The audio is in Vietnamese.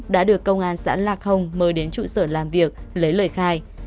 đã được công an xã lạc hồng mời đến trụ sở làm việc lấy lời khai